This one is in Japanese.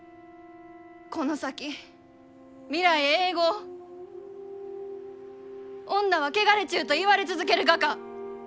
この先未来永劫「女は汚れちゅう」と言われ続けるがか？